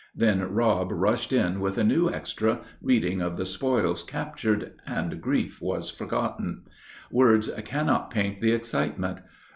Then Rob rushed in with a new extra, reading of the spoils captured, and grief was forgotten. Words cannot paint the excitement.